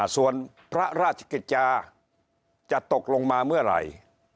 ส่วนพระราชกิจจาจะตกลงมาเมื่อไหร่